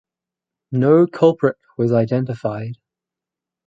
No culprit was identified.